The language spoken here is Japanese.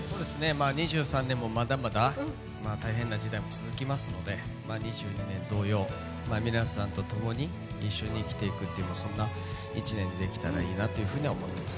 ２３年もまだまだ大変な時代も続きますので２２年同様、皆さんとともに一緒に生きていくという、そんな１年にできたらいいなっていうふうには思ってます。